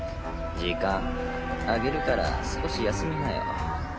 時間あげるから少し休みなよ。